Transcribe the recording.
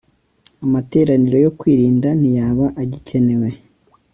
Amateraniro yo kwirinda ntiyaba agikenewe